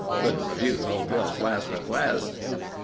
Couldn't refuse old Bill's last request."